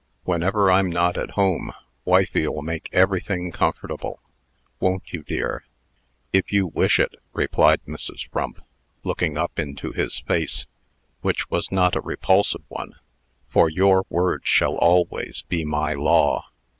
Whenever I'm not at home, wifey'll make everything comfortable. Won't you, dear?" "If you wish it," replied Mrs. Frump, looking up into his face, which was not a repulsive one, "for your word shall always be my law."